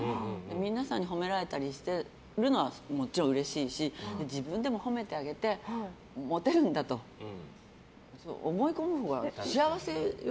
皆さんに褒められたりするのはもちろんうれしいし自分でも褒めてあげてモテるんだと思い込むほうが幸せよ。